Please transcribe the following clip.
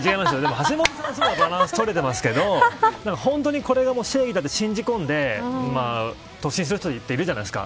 橋下さんはバランスとれてますけど本当にこれが正義だと信じ込んで突進する人っているじゃないですか。